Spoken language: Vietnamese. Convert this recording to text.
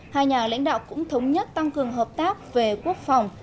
hai nhà lãnh đạo cũng thống nhất tăng cường hợp tác về quốc phòng